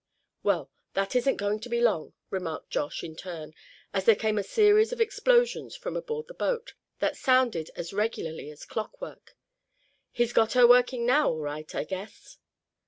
"Well, that isn't going to be long," remarked Josh in turn as there came a series of explosions from aboard the boat, that sounded as regularly as clockwork. "He's got her working now, all right, I guess."